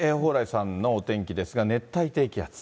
蓬莱さんのお天気ですが、熱帯低気圧。